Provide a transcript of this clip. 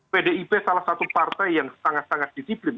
pdip salah satu partai yang sangat sangat disiplin